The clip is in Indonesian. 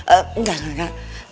eee engga engga engga